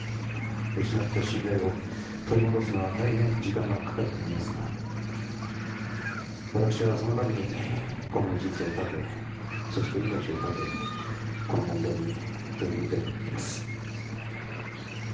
失った信頼を取り戻すのは大変、時間がかかると思いますが私はそのために今後の人生をかけそして命をかけこの問題に取り組んでいきます。